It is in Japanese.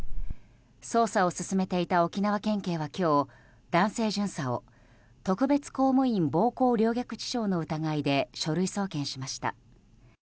捜査を進めていた沖縄県警は今日男性巡査を特別公務員暴行陵虐致傷の疑いで書類送検しました。